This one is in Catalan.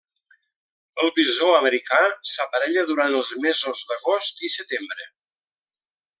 El bisó americà s'aparella durant els mesos d'agost i setembre.